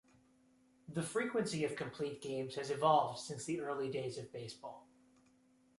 The frequency of complete games has evolved since the early days of baseball.